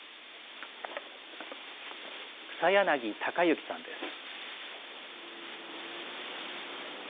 草柳孝幸さんです。